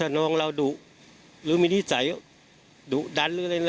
แต่กับน้องเราไม่น่าทำ